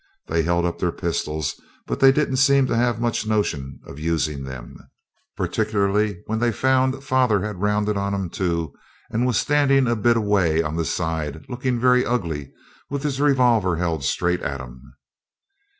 They held up their pistols, but they didn't seem to have much notion of using them particularly when they found father had rounded on 'em too, and was standing a bit away on the side looking very ugly and with his revolver held straight at 'em.